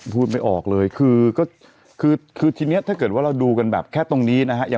พูดไม่ออกเลยคือก็คือทีนี้ถ้าเกิดว่าเราดูกันแบบแค่ตรงนี้นะฮะ